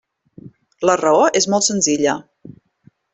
La raó és molt senzilla.